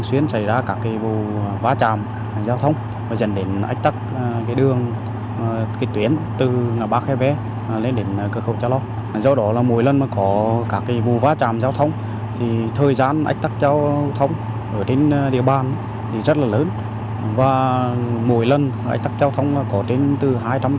tuyến quốc lộ một mươi hai a đoạn đường từ ngã ba khe ve lên cửa khẩu quốc tế cha lo có chiều dài gần bốn mươi km